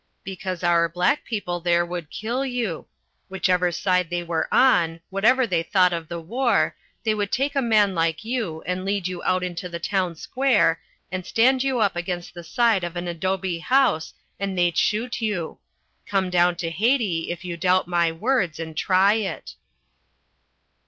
"Because our black people there would kill you. Whichever side they were on, whatever they thought of the war, they would take a man like you and lead you out into the town square, and stand you up against the side of an adobe house, and they'd shoot you. Come down to Haiti, if you doubt my words, and try it."